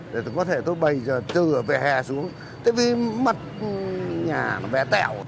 để có thể tôi bày từ vỉa hè xuống tức vì mặt nhà nó vẻ tẻo